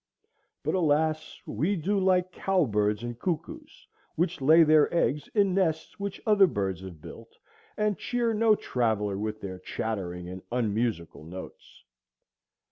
But alas! we do like cowbirds and cuckoos, which lay their eggs in nests which other birds have built, and cheer no traveller with their chattering and unmusical notes.